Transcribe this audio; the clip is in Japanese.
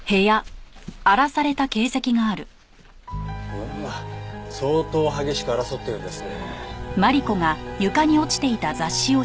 うわ相当激しく争ったようですね。